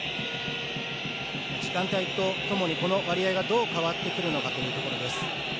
時間帯とともにこの割合がどう変わってくるのかというところでです。